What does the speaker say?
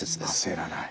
焦らない。